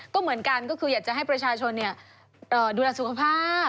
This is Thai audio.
ก็เหมือนกันก็คืออยากจะให้ประชาชนดูแลสุขภาพ